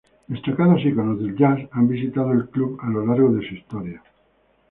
Destacados íconos del Jazz han visitado el club a lo largo de su historia.